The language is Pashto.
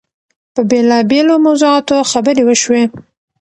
په بېلابېلو موضوعاتو خبرې وشوې.